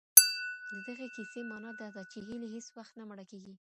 د دغي کیسې مانا دا ده چي هیلې هیڅ وختنه مړه کیږي.